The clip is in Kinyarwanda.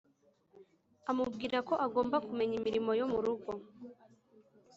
amubwira ko agomba kumenya imirimo yo mu rugo